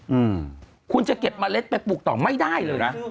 อืมคุณจะเก็บเมล็ดไปปลูกต่อไม่ได้เลยนะ